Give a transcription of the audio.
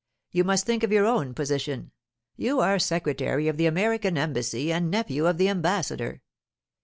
You must think of your own position—you are secretary of the American Embassy and nephew of the ambassador.